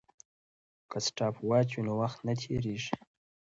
که سټاپ واچ وي نو وخت نه تېریږي.